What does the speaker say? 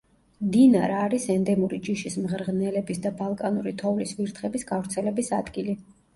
დინარა არის ენდემური ჯიშის მღრღნელების და ბალკანური თოვლის ვირთხების გავრცელების ადგილი.